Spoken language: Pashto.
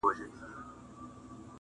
یوه سترګه مو روغه بله سترګه مو ړنده وي,